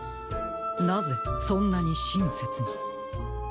なぜそんなにしんせつに？